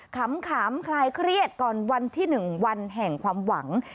ขำคลายเครียดก่อนวันที่๑วันแห่งความหวัง